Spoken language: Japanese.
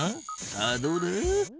さあどうだ？